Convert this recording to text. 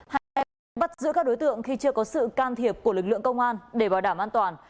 hay bắt giữ các đối tượng khi chưa có sự can thiệp của lực lượng công an để bảo đảm an toàn